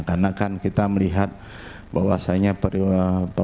karena kan kita melihat bahwasannya prioritasnya